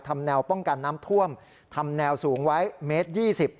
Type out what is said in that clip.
ทำแนวป้องกันน้ำท่วมทำแนวสูงไว้เมตร๒๐